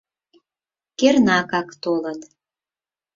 Кернакак толыт.